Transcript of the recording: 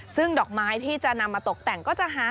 ซึ่งดอกไม้ที่จะนำมาตกแต่งก็จะหา